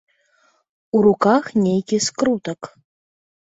У руках нейкі скрутак.